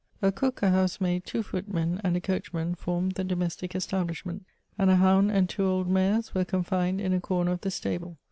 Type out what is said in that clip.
A cook, a housemaid, two footmen, and a coach man, formed the domestic establishment ; and a hound, and two old mares, were confined in a comer of the stable.